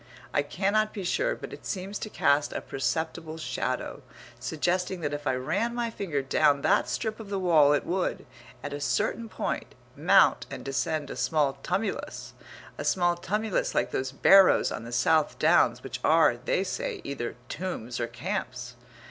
I cannot be sure, but it seems to cast a perceptible shadow, suggesting that if I ran my finger down that strip of the wall it would, at a certain point, mount and descend a small tumulus, a smooth tumulus like those barrows on the South Downs which are, they say, either tombs or camps.